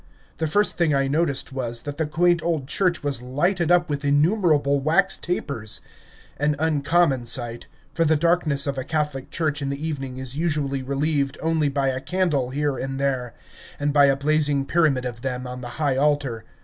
The first thing I noticed was, that the quaint old church was lighted up with innumerable wax tapers, an uncommon sight, for the darkness of a Catholic church in the evening is usually relieved only by a candle here and there, and by a blazing pyramid of them on the high altar.